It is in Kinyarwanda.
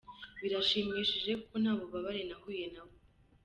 Birashimishije kuko nta bubabare nahuye nabwo.